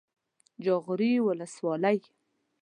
جاغوري ولسوالۍ